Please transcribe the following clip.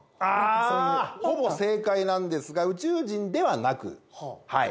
ほぼ正解なんですが、宇宙人ではなく。